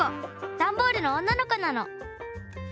ダンボールのおんなのこなの。